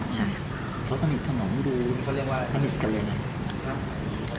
เขาสนิทสนองดูเขาเรียกว่าสนิทกับเรื่องไหน